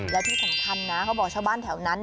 และที่สำคัญนะเขาบอกชาวบ้านแถวนั้น